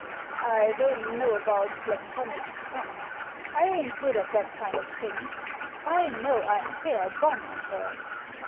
" I don't know about platonic sense ; I ain't good at that kind of thing. I know I'm fair gone on her."